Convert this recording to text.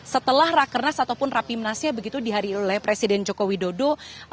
setelah rakernas ataupun rapimnas nya diharilah oleh presiden joko widodo